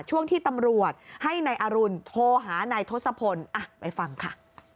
ช่วงที่ตำรวจให้นายอรุณโทรหานายทศพลไปฟังค่ะ